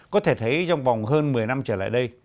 có thể thấy trong vòng hơn một mươi năm trở lại đây